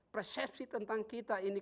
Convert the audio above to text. persepsi tentang kita ini